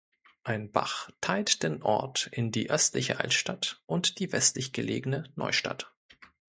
Ein Bach teilt den Ort in die östliche Altstadt und die westlich gelegene Neustadt.